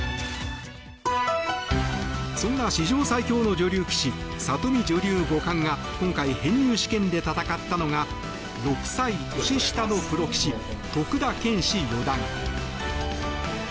そんな史上最強の女流棋士里見女流五冠が今回、編入試験で戦ったのが６歳年下のプロ棋士徳田拳士四段。